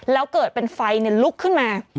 แล้วเกิดเป็นไฟลุกขึ้นมา